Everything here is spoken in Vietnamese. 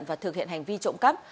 và thực hiện hành vi trộm cắp